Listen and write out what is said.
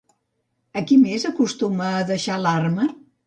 A qui més acostumava a deixar l'arma?